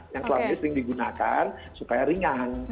yang selalu sering digunakan supaya ringan